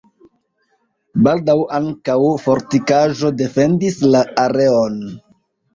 Baldaŭ ankaŭ fortikaĵo defendis la areon.